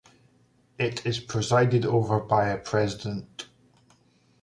It is presided over by a President.